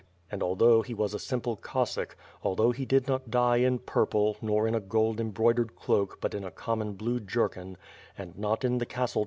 And, although he was a simple Cossack, al though he did not die in purple, nor in a gold embroidered cloak but in a common blue jerkin; and not in the castle WITH FIRE AND SWORD.